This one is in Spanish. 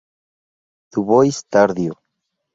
Du Bois tardío.